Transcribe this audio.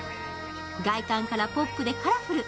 外観からポップでカラフル。